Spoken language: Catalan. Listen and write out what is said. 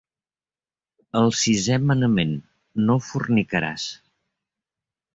El sisè manament: no fornicaràs.